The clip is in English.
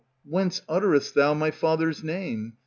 _ Whence utterest thou my father's name?